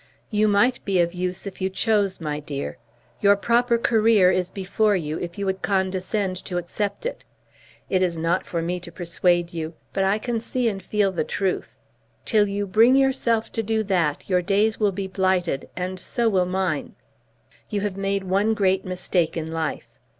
"You might be of use if you chose, my dear. Your proper career is before you if you would condescend to accept it. It is not for me to persuade you, but I can see and feel the truth. Till you bring yourself to do that, your days will be blighted, and so will mine. You have made one great mistake in life.